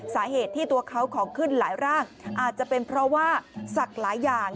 สาเหตุที่ตัวเขาของขึ้นหลายร่างอาจจะเป็นเพราะว่าศักดิ์หลายอย่าง